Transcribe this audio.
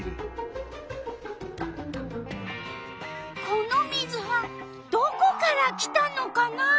この水はどこから来たのかなあ？